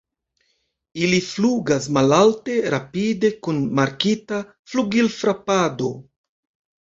Ili flugas malalte, rapide, kun markita flugilfrapado.